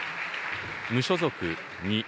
無所属２。